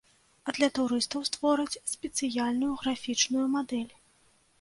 А для турыстаў створаць спецыяльную графічную мадэль.